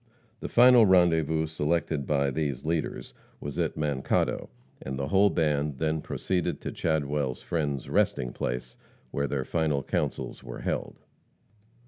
The final rendezvous selected by these leaders was at Mankato, and the whole band then proceeded to Chadwell's friend's resting place, where their final councils were held.